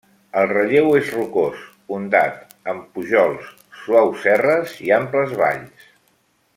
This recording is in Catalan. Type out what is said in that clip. El relleu és rocós, ondat, amb pujols, suaus serres i amples valls.